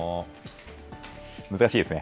難しいですね。